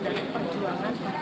dari perjuangan kita